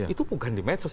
itu bukan di medsos